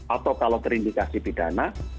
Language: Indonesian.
atau kalau terindikasi pidana